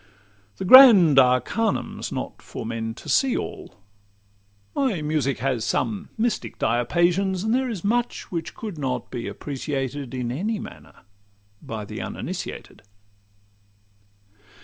The grand arcanum 's not for men to see all; My music has some mystic diapasons; And there is much which could not be appreciated In any manner by the uninitiated.